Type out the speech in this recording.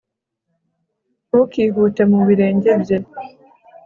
ntukihute mu birenge bye